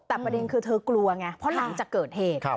แต่ประเด็นคือเธอกลัวไงเพราะหลังจากเกิดเหตุ